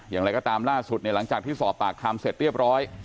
อย่างไรก็ตามล่าสุดเนี่ยหลังจากที่สอบปากคำเสร็จเรียบร้อย